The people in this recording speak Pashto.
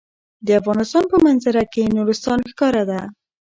د افغانستان په منظره کې نورستان ښکاره ده.